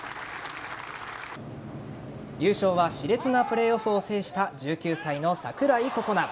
優勝は熾烈なプレーオフを制した１９歳の櫻井心那。